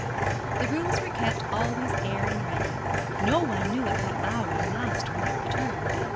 The rooms were kept always aired and ready no one knew at what hour the master might return.